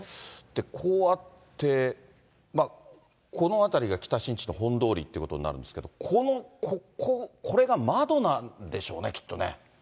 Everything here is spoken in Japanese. こうあって、この辺りが北新地の本通りということなんですけど、この、ここ、ここが窓なんでしょうね、きっとね。